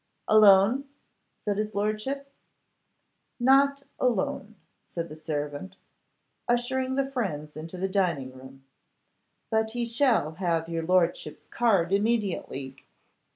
'Alone?' said his lordship. 'Not alone,' said the servant, ushering the friends into the dining room, 'but he shall have your lordship's card immediately.